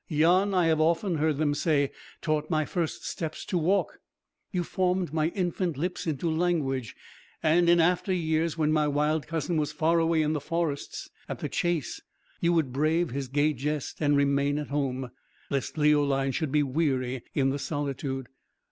Yon, I have often heard them say, taught my first steps to walk; you formed my infant lips into language, and, in after years, when my wild cousin was far away in the forests at the chase, you would brave his gay jest and remain at home, lest Leoline should be weary in the solitude.